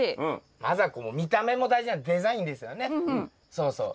そうそう。